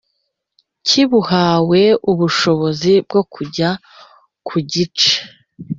kibuhawe ubushobozi bwo kujya ku gice